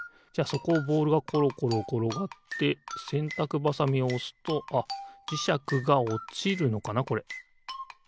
じゃあそこをボールがころころころがってせんたくばさみをおすとあっじしゃくがおちるのかな？